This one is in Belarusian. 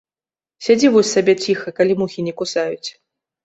Сядзі вось сабе ціха, калі мухі не кусаюць.